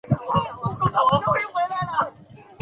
特讷伊人口变化图示